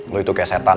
lo itu kayak setan